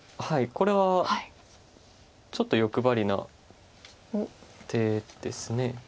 これはちょっと欲張りな手です。